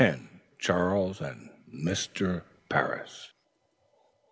CHARLES AND MR. PARRIS.